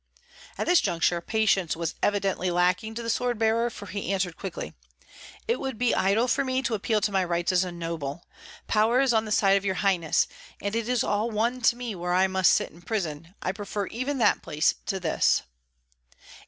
At this juncture patience was evidently lacking to the sword bearer, for he answered quickly, "It would be idle for me to appeal to my rights as a noble. Power is on the side of your highness, and it is all one to me where I must sit in prison; I prefer even that place to this."